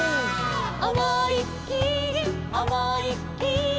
「おもいっきりおもいっきり」